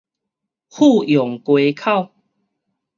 富陽街口